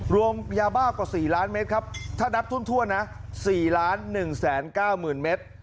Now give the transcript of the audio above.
รวมยาบ้ากว่า๔ล้านเมตรครับถ้านับทั่วนะ๔ล้าน๑แสน๙หมื่นเมตร